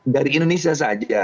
dari indonesia saja